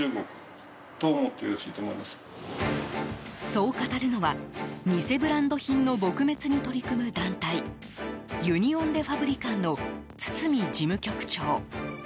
そう語るのは、偽ブランド品の撲滅に取り組む団体ユニオン・デ・ファブリカンの堤事務局長。